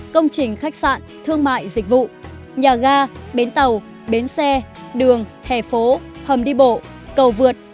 công trình khách sạn thương mại dịch vụ nhà ga bến tàu bến xe đường hề phố hầm đi bộ cầu vượt